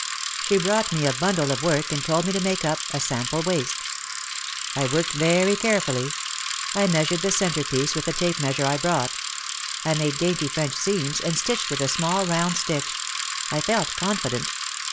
She brought me a bundle of work and told me to make up a sample waist. I worked very carefully. I measured the centrepiece with a tape measure I brought. I made dainty French seams and stitched with a small round stitch. I felt confident.